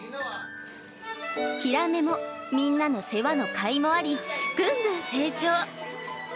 ヒラメもみんなの世話のかいもあり、ぐんぐん成長。